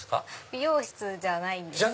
美容室じゃないんです。